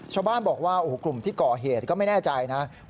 ชาวบ้านบอกว่ากลุ่มที่เกาะเหตุก็ไม่แน่ใจนะครับ